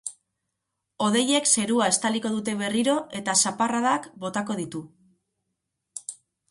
Hodeiek zerua estaliko dute berriro eta zaparradak botako ditu.